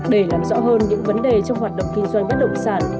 để làm rõ hơn những vấn đề trong hoạt động kinh doanh bất động sản